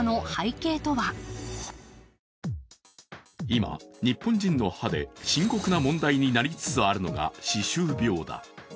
今、日本人の歯で深刻な問題になりつつあるのが歯周病だ。